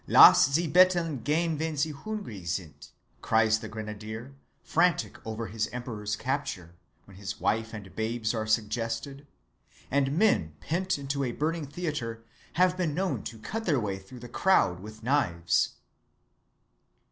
"Lass sie betteln gehn wenn sie hungrig sind!" cries the grenadier, frantic over his Emperor's capture, when his wife and babes are suggested; and men pent into a burning theatre have been known to cut their way through the crowd with knives.